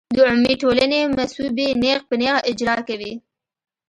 د عمومي ټولنې مصوبې نېغ په نېغه اجرا کوي.